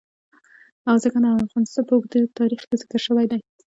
ځمکه د افغانستان په اوږده تاریخ کې ذکر شوی دی.